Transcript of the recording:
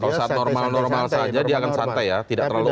kalau saat normal normal saja dia akan santai ya tidak terlalu lama